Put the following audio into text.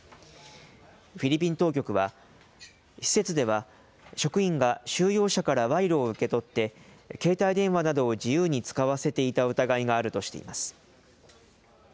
フィリピン当局は、施設では職員が収容者から賄賂を受け取って、携帯電話などを自由に使わせていた疑いがあるとしています。